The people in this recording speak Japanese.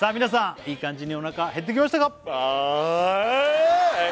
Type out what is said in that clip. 皆さんいい感じにおなか減ってきましたか？